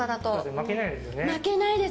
負けないです。